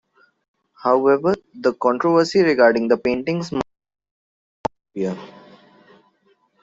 However, the controversy regarding the painting's model refused to disappear.